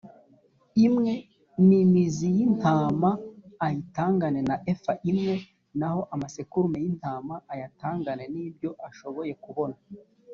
imwe n im zi y intama ayitangane na efa imwe naho amasekurume y intama ayatangane n ibyo ashoboye kubona